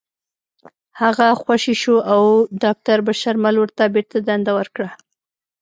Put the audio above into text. هغه خوشې شو او داکتر بشرمل ورته بېرته دنده ورکړه